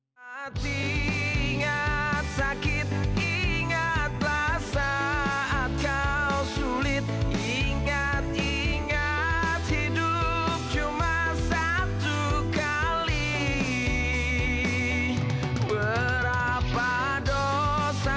hati ingat sakit ingatlah saat kau sulit ingat ingat hidup cuma satu kali berapa dosa